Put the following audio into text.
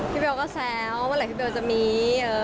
พี่เบลก็แซววันไหร่พี่เบลจะมี